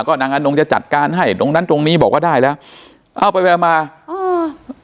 ก็นางอนงจะจัดการให้ตรงนั้นตรงนี้บอกว่าได้แล้วเอาไปแววมาเออ